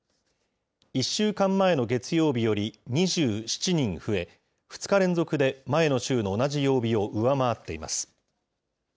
１週間前の月曜日より２７人増え、２日連続で前の週の同じ曜日を上回っています。